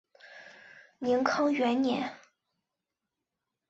宁康元年。